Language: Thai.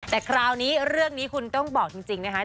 แต่คราวนี้เรื่องนี้คุณต้องบอกจริงนะคะ